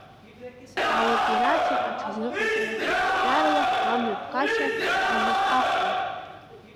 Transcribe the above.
Аоперациа аҽазыҟаҵара, қәҿиарала амҩаԥгашьа дҭанаԥахуан.